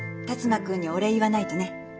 辰馬くんにお礼言わないとね。